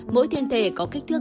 mỗi thiên thể có kích thước hai